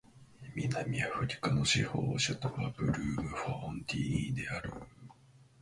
南アフリカの司法首都はブルームフォンテーンである